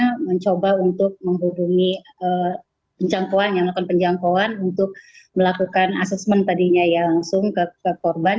kita mencoba untuk menghubungi penjangkauan yang melakukan penjangkauan untuk melakukan asesmen tadinya ya langsung ke korban